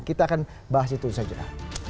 kita akan bahas itu saja